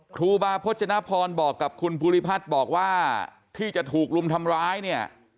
ครูบาพจนพรบอกกับคุณภูริพัฒน์บอกว่าที่จะถูกรุมทำร้ายเนี่ย